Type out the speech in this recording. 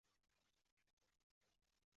构建完成的卡组。